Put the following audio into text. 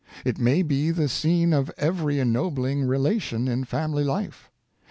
It may be the scene of every ennobling re lation in family life.